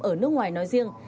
ở nước ngoài nói riêng